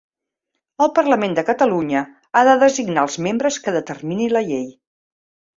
El Parlament de Catalunya ha de designar els membres que determini la llei.